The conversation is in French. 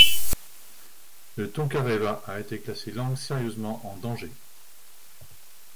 Le tongareva a été classé langue sérieusement en danger.